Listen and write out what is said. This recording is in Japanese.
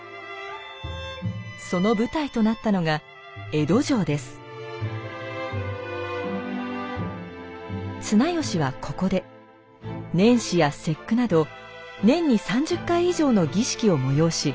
その舞台となったのが綱吉はここで年始や節句など年に３０回以上の儀式を催し